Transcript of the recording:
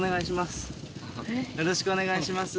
よろしくお願いします。